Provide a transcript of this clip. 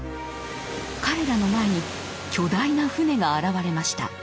彼らの前に巨大な船が現れました。